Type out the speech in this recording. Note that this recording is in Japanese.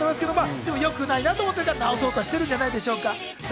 でも良くないなと思ってるから、直そうとしてるんじゃないでしょうか。